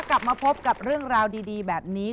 กลับมาพบกับเรื่องราวดีแบบนี้